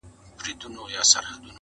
سر تر نوکه لکه زرکه ښایسته وه-